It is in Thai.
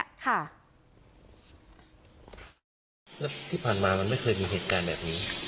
แล้วที่ผ่านมามันไม่เคยมีเหตุการณ์แบบนี้